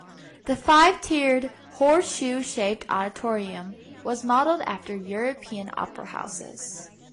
The five-tiered, horseshoe-shaped auditorium was modelled after European opera houses.